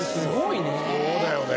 そうだよね